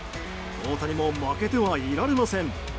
大谷も負けてはいられません。